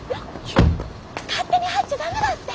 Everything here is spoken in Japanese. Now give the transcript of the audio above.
勝手に入っちゃダメだって！